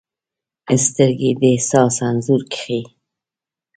سترګې د احساس انځور کښي